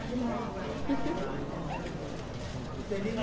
สวัสดีครับ